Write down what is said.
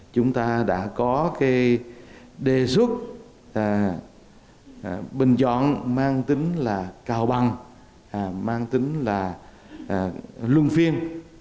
chúng ta đã có cái đề xuất bình chọn mang tính là cao bằng mang tính là luân phiên